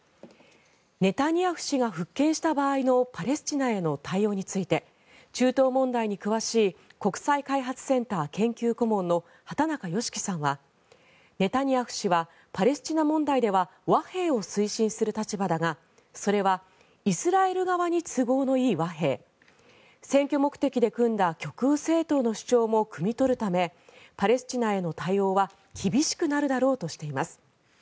ネタニヤフ氏が復権した場合のパレスチナへの対応について中東問題に詳しい国際開発センター研究顧問の畑中美樹さんはネタニヤフ氏はパレスチナ問題では和平を推進する立場だがそれはイスラエル側に都合のいい和平選挙目的で組んだ極右政党の主張も酌み取るためパレスチナへの対応は厳しくなるだろうとしています。